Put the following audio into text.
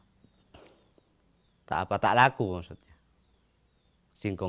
singkong itu kemurahan sebelum ada dijadikan kripik singkong